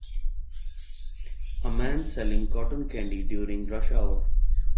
A man selling cotton candy during rush hour.